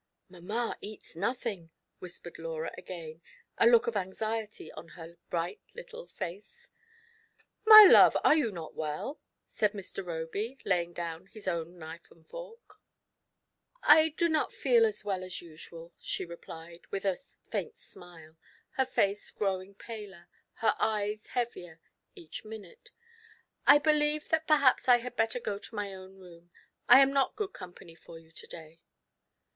"Mamma eats nothing," whispered Laura again, a look of anxiety ra her bright little face. " My love, are you not well ?" said Mr. Roby, laying down his own knife and fork. 5 66 TRIALS AND TROUBLES. I do not feel as well as usual," she replied, with a faint smile, her face growing paler, her eyes heavier, each minute; "I believe that perhaps I had tetter go to my own room, I am not good company for you to day."